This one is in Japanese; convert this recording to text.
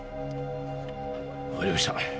分かりました。